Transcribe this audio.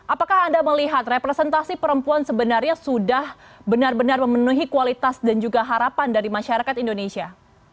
apakah anda melihat representasi perempuan sebenarnya sudah benar benar memenuhi kualitas dan juga harapan dari masyarakat indonesia